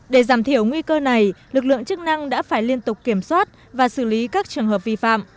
để giảm thiểu nguy cơ này lực lượng chức năng đã phải liên tục kiểm soát và xử lý các trường hợp vi phạm